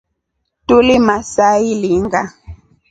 Tulimaa saa ilinga.